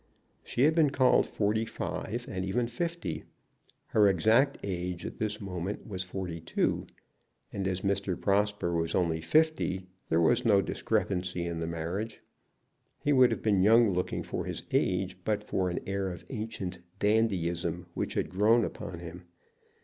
She had been called forty five, and even fifty. Her exact age at this moment was forty two, and as Mr. Prosper was only fifty there was no discrepancy in the marriage. He would have been young looking for his age, but for an air of ancient dandyism which had grown upon him.